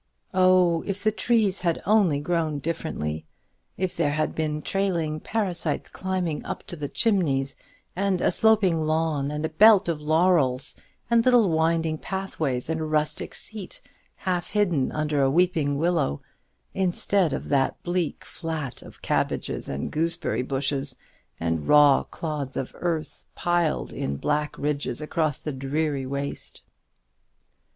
Oh, if the trees had only grown differently! if there had been trailing parasites climbing up to the chimneys, and a sloping lawn, and a belt of laurels, and little winding pathways, and a rustic seat half hidden under a weeping willow, instead of that bleak flat of cabbages and gooseberry bushes, and raw clods of earth piled in black ridges across the dreary waste!